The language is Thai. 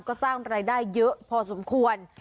ก็สร้างรายได้เยอะพอสมควร